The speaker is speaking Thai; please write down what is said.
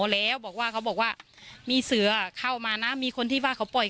ใช่เขาบอกว่าพูดด้วย